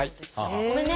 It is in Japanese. ごめんね！